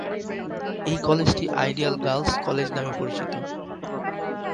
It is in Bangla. এই কলেজটি "আইডিয়াল গার্লস কলেজ" নামে পরিচিত।